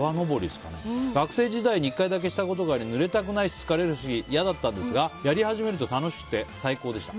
学生時代に１回だけしたことがありぬれたくないし、疲れるし嫌だったんですがやり始めると楽しくて最高でした。